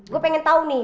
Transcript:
gue pengen tahu nih